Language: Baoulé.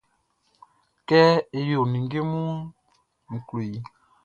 Kɛ e yo ninnge munʼn, n klo i.